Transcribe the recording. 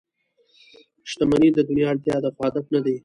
• شتمني د دنیا اړتیا ده، خو هدف نه دی.